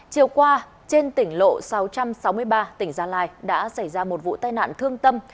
chiều qua trên tỉnh lộ sáu trăm sáu mươi ba tỉnh gia lai đã xảy ra một vụ tai nạn thương tâm